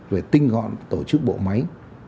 về tinh gọn tổ chức bộ máy